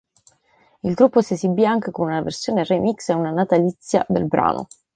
Il gruppo si esibì anche con una versione remix e una natalizia del brano.